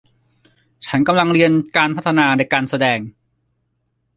ฉันกำลังเรียนการพัฒนาในการแสดง